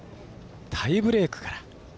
タイブレークから。